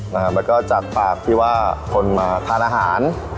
แล้วก็จากปากที่ว่าคนมาทานอาหาร